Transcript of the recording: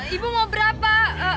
ibu mau berapa